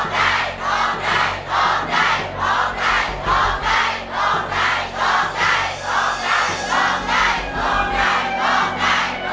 โพคไตโพคไตโพคไตโพคไตโพคไต